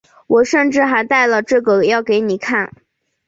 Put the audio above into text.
我甚至还带了这个要给你看